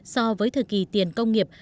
so với thời kỳ tiền công nghiệp